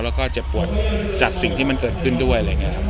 แล้วก็เจ็บปวดจากสิ่งที่มันเกิดขึ้นด้วย